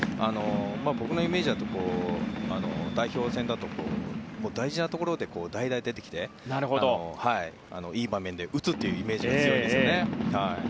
僕のイメージだと代表戦だと、大事なところで代打で出てきていい場面で打つというイメージが強いんですよね。